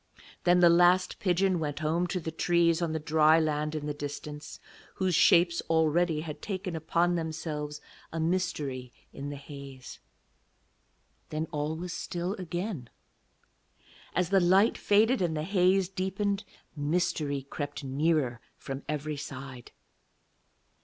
Then the last pigeon went home to the trees on the dry land in the distance, whose shapes already had taken upon themselves a mystery in the haze. Then all was still again. As the light faded and the haze deepened, mystery crept nearer from every side.